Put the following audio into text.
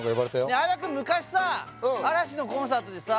え相葉くん昔さ嵐のコンサートでさ